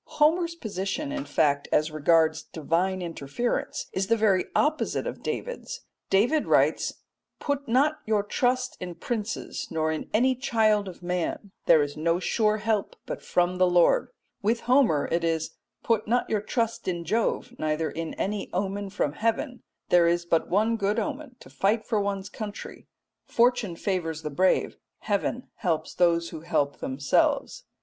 Homer's position, in fact, as regards divine interference is the very opposite of David's. David writes, "Put not your trust in princes nor in any child of man; there is no sure help but from the Lord." With Homer it is, "Put not your trust in Jove neither in any omen from heaven; there is but one good omen to fight for one's country. Fortune favours the brave; heaven helps those who help themselves."